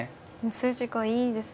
筋がいいですね。